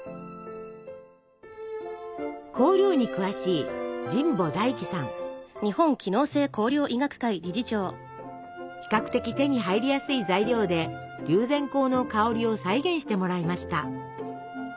香料に詳しい比較的手に入りやすい材料で龍涎香の香りを再現してもらいました。